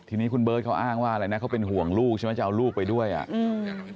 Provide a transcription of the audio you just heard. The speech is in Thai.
ทีนี้คุณเบิร์ตเขาอ้างว่าอะไรนะเขาเป็นห่วงลูกใช่ไหมจะเอาลูกไปด้วยอ่ะอืม